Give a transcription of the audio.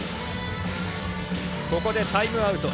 ここでタイムアウト。